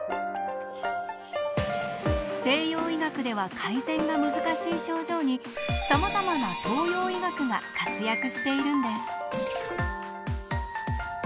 西洋医学では改善が難しい症状にさまざまな東洋医学が活躍しているんです。